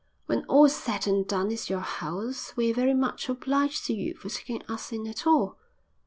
"When all's said and done it's your house. We're very much obliged to you for taking us in at all."